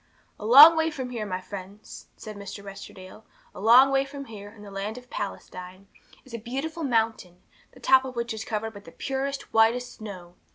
'A long way from here, my friends,' said Mr. Westerdale, 'a long way from here, in the land of Palestine, is a beautiful mountain, the top of which is covered with the purest, whitest snow.